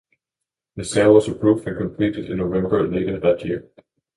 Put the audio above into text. The sale was approved and completed in November later that year.